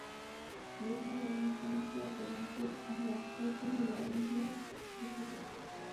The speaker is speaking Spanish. Viajan a gran distancia de Bangkok, a las costas de la isla de Phuket.